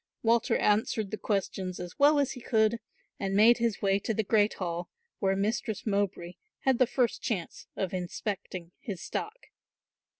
Walter answered the questions as well as he could and made his way to the great hall, where Mistress Mowbray had the first chance of inspecting his stock.